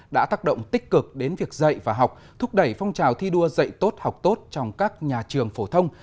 đã tác động tích cực đến việc dạy và học thúc đẩy phong trào thi đua dạy tốt học tốt trong các nhà trường phổ thông